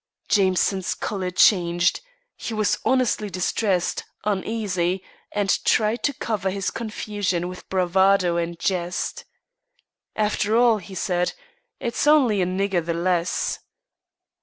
Jameson's colour changed. He was honestly distressed, uneasy, and tried to cover his confusion with bravado and a jest. "After all," he said, "it is only a nigger the less."